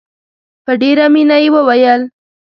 په ډېره مینه یې وویل.